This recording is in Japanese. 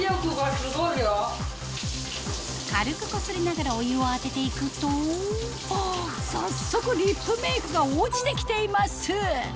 軽くこすりながらお湯を当てていくと早速リップメイクが落ちてきています！